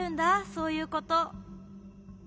そういうこと。